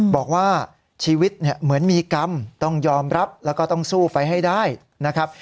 บอกว่าชีวิตเนี่ยเหมือนมีกรรมต้องยอมรับแล้วก็ต้องสู้ไปให้ได้นะครับ